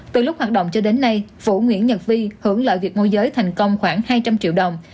từ lúc hoạt động cho đến nay vũ nguyễn nhật vi hưởng lợi việc môi giới thành công khoảng hai trăm linh triệu đồng